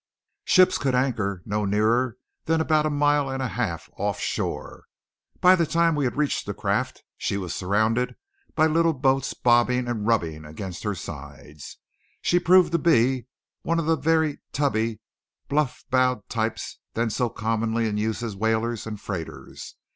Ships could anchor no nearer than about a mile and a half offshore. By the time we had reached the craft she was surrounded by little boats bobbing and rubbing against her sides. She proved to be one of that very tubby, bluff bowed type then so commonly in use as whalers and freighters.